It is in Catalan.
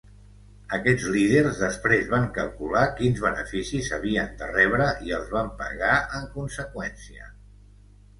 Aquests líders després van calcular quins beneficis havien de rebre i els van pagar en conseqüència.